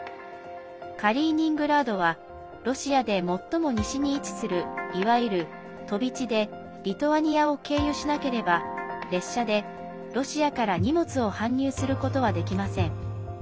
カリーニングラードはロシアで最も西に位置するいわゆる飛び地でリトアニアを経由しなければ列車でロシアから荷物を搬入することはできません。